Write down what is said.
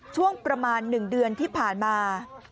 ช่วงประมาณ๑เดือนที่ผ่านมา